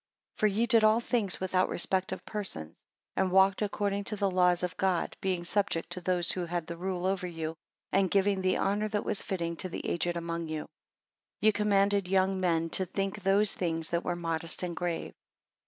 5 For ye did all things without respect of persons, and walked according to the laws of God; being subject to those who had the rule over you, and giving the honour that was fitting to the aged among you. 6 Ye commanded the young men to think those things that were modest and grave.